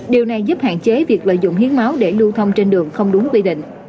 điều này giúp hạn chế việc lợi dụng hiến máu để lưu thông trên đường không đúng quy định